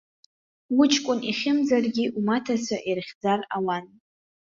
Уҷкәын ихьымӡаргьы, умаҭацәа ирыхьӡар ауан.